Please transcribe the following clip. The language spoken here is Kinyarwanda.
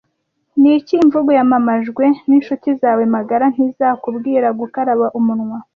Niki - imvugo yamamajwe "Ninshuti zawe magara ntizakubwira" Gukaraba umunwa